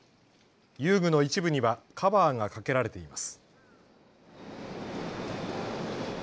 遊具の一部にはカバーがかけられています。